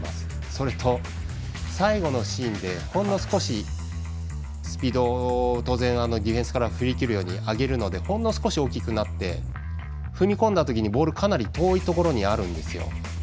それと、最後のシーンでほんの少しスピード、当然ディフェンスから振り切るように上げるのでほんの少し大きくなって踏み込んだときにボール、かなり遠いところにあるんですよ。